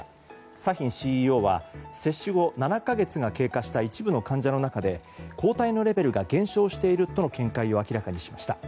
サヒンＣＥＯは接種後７か月経過した一部の患者の中で抗体のレベルが減少しているとの見解を示しました。